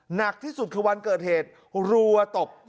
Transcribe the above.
หนักที่สุดคือวันเกิดเหตุรัวตบ